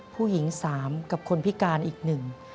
ผู้หญิงสามกับคนพิการอีกหนึ่ง